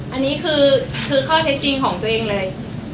อันนี้คือข้อเท็จจริงของตัวเองเลย